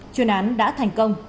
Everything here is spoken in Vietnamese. chuyên án đã thành công